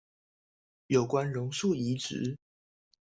有關榕樹移植